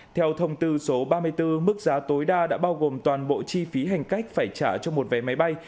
theo thông tư số ba mươi bốn mức giá tối đa đã bao gồm toàn bộ chi phí hành khách phải trả cho một vé máy bay